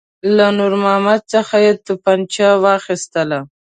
له نور محمد څخه یې توپنچه واخیستله.